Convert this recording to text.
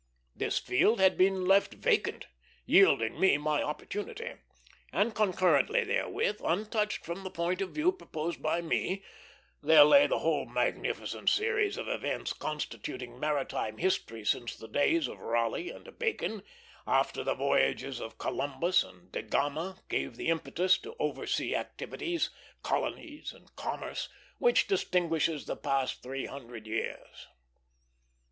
This field had been left vacant, yielding me my opportunity; and concurrently therewith, untouched from the point of view proposed by me, there lay the whole magnificent series of events constituting maritime history since the days of Raleigh and Bacon, after the voyages of Columbus and De Gama gave the impetus to over sea activities, colonies, and commerce, which distinguishes the past three hundred years.